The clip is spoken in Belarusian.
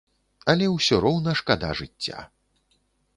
Але ўсё роўна шкада жыцця.